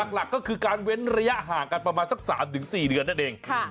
หลักก็คือการเว้นระยะห่างกันประมาณสัก๓๔เดือนนั่นเอง